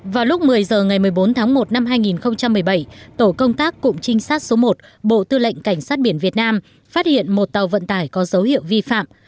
vào lúc một mươi h ngày một mươi bốn tháng một năm hai nghìn một mươi bảy tổ công tác cụm trinh sát số một bộ tư lệnh cảnh sát biển việt nam phát hiện một tàu vận tải có dấu hiệu vi phạm